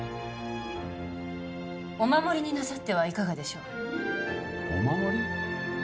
お守りになさってはいかがでしょうお守り？